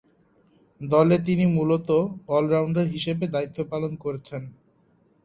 দলে তিনি মূলতঃ অল-রাউন্ডার হিসেবে দায়িত্ব পালন করছেন।